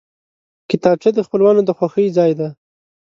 کتابچه د خپلوانو د خوښۍ ځای دی